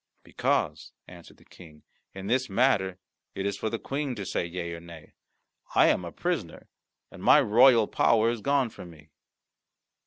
"Because," answered the King, "in this matter it is for the Queen to say yea or nay. I am a prisoner, and my royal power is gone from me."